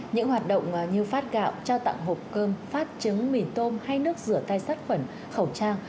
những hoạt động như phát gạo trao tặng hộp cơm phát trứng mì tôm hay nước rửa tay sát khuẩn khẩu trang